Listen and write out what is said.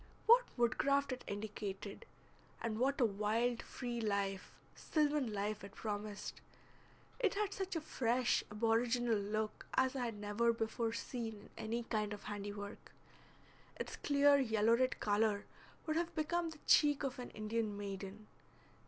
What woodcraft it indicated, and what a wild free life, sylvan life, it promised! It had such a fresh, aboriginal look as I had never before seen in any kind of handiwork. Its clear yellow red color would have become the cheek of an Indian maiden.